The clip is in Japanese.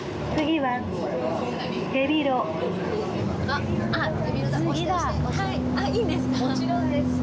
あっいいんですか？